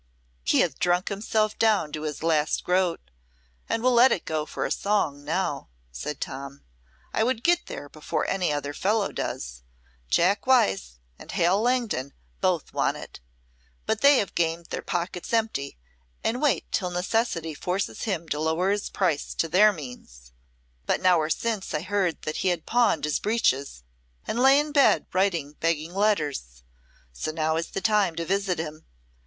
"He hath drunk himself down to his last groat, and will let it go for a song now," said Tom. "I would get there before any other fellow does. Jack Wyse and Hal Langton both want it, but they have gamed their pockets empty, and wait till necessity forces him to lower his price to their means. But an hour since I heard that he had pawned his breeches and lay in bed writing begging letters. So now is the time to visit him.